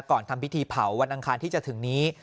ทำพิธีเผาวันอังคารที่จะถึงนี้